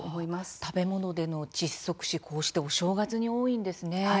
食べ物での窒息死お正月に多いんですね。